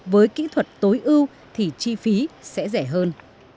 với kỹ thuật tối ưu thì chi phí sẽ rẻ hơn